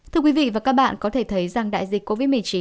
thưa quý vị và các bạn có thể thấy rằng đại dịch covid một mươi chín